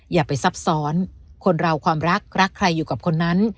อย่าไปซับซ้อนคนเราความรักรักใครอยู่กับคนนั้น